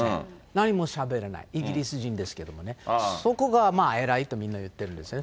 何もしゃべらない、イギリス人ですけどもね、そこが偉いとみんな言ってるんですね。